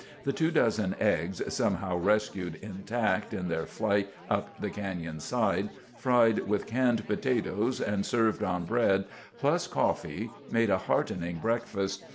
The two dozen eggs, somehow rescued intact in their flight up the canyon side, fried with canned potatoes and served on bread, plus coffee made a heartening breakfast.